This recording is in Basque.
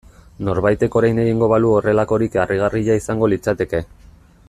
Norbaitek orain egingo balu horrelakorik harrigarria izango litzateke.